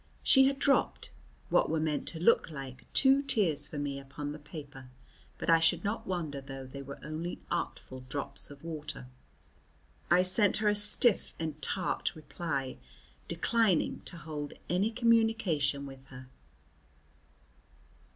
She had dropped what were meant to look like two tears for me upon the paper, but I should not wonder though they were only artful drops of water. I sent her a stiff and tart reply, declining to hold any communication with her.